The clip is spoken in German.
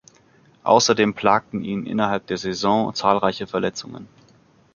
Außerdem plagten ihn innerhalb der Saison zahlreiche Verletzungen.